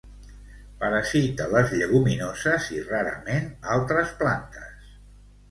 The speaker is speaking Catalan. Parasita les lleguminoses i rarament altres plantes.